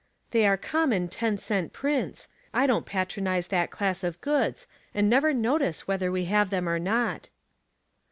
''They are common, ten cent prints. I don't patronize that class of goods, and never notice whether we have them or not."